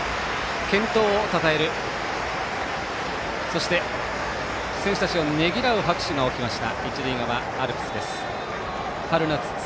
健闘をたたえるそして選手たちをねぎらう拍手が起きました。